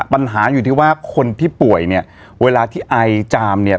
ปัญหาอยู่ที่ว่าคนที่ป่วยเนี่ยเวลาที่ไอจามเนี่ย